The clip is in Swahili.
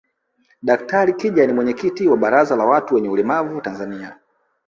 Daktari kija ni mwenyekiti wa baraza la watu wenye ulemavu Tanzania